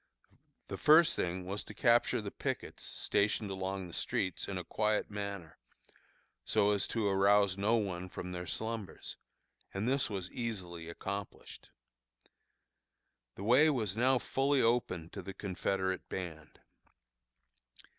The first thing was to capture the pickets stationed along the streets in a quiet manner, so as to arouse no one from their slumbers, and this was easily accomplished. The way was now fully open to the Confederate band.